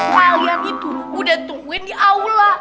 kalian itu udah tungguin di aula